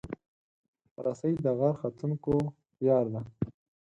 رسۍ د غر ختونکو یار ده.